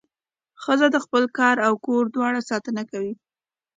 ښځه د خپل کار او کور دواړو ساتنه کوي.